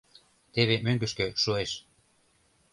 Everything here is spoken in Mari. Теве мӧҥгышкӧ шуэш.